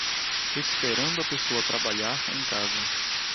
Esperando a pessoa trabalhar em casa